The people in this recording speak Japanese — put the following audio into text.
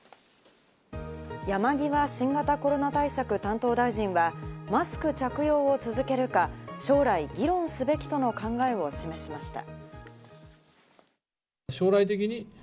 山際新型コロナ対策担当大臣はマスク着用を続けるか将来、議論すべきとの考えを示しました。